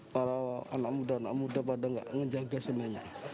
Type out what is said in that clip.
para anak muda anak muda pada nggak ngejaga seninya